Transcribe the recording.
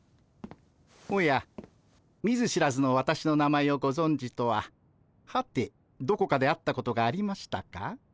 おや見ず知らずの私の名前をごぞんじとははてどこかで会ったことがありましたか。